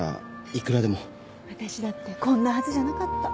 私だってこんなはずじゃなかった。